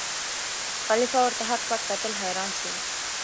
خلیفه ورته هک پک کتل حیران سو